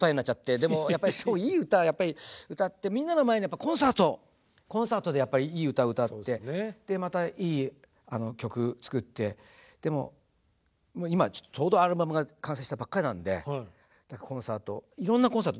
でもやっぱりそういい歌はやっぱり歌ってみんなの前でやっぱりコンサートコンサートでやっぱりいい歌を歌ってまたいい曲作ってでも今ちょうどアルバムが完成したばっかりなんでコンサートいろんなコンサート